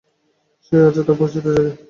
সে আছে তার পরিচিত জায়গায়।